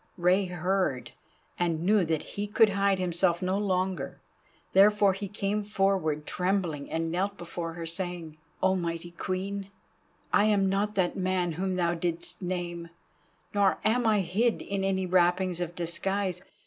Rei heard and knew that he could hide himself no longer. Therefore he came forward trembling, and knelt before her, saying: "Oh, mighty Queen, I am not that man whom thou didst name, nor am I hid in any wrappings of disguise.